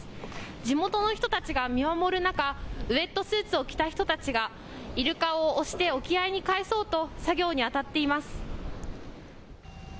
地元の人たちが見守る中、ウエットスーツを着た人たちがイルカを押して沖合に帰そうと作業にあたっています。